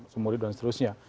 semur hidup dan seterusnya